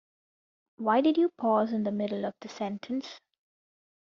Why did you pause in the middle of the sentence?